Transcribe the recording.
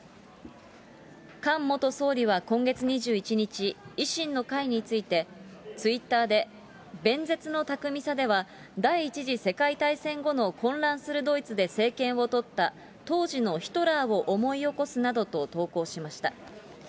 菅元総理は今月２１日、維新の会について、ツイッターで弁舌の巧みさでは第１次世界大戦後の混乱するドイツで政権を取った、当時のヒトラーを思い起こすなどと投稿しました。